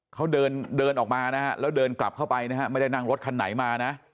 เขาเดินเดินออกมานะฮะแล้วเดินกลับเข้าไปนะฮะไม่ได้นั่งรถคันไหนมานะ